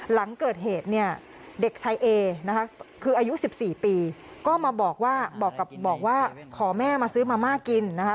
หลังเกิดเหตุเนี่ยเด็กชายเอนะคะคืออายุ๑๔ปีก็มาบอกว่าขอแม่มาซื้อมาม่ากินนะคะ